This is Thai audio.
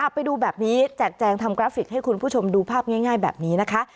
ไปดูแบบนี้แจกแจงทำกราฟิกให้คุณผู้ชมดูภาพง่ายแบบนี้นะคะ